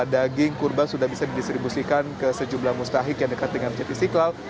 daging kurban sudah bisa didistribusikan ke sejumlah mustahik yang dekat dengan masjid istiqlal